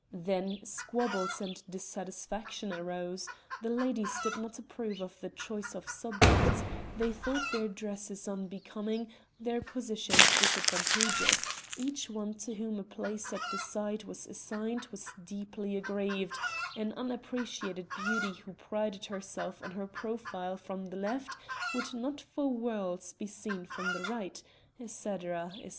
Then squabbles and dissatisfaction arose; the ladies did not approve of the choice of subjects, they thought their dresses unbecoming, their positions disadvantageous; each one to whom a place at the side was assigned was deeply aggrieved; an unappreciated beauty who prided herself on her profile from the left would not for worlds be seen from the right, etc., etc.